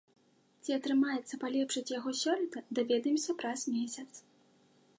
Ці атрымаецца палепшыць яго сёлета, даведаемся праз месяц.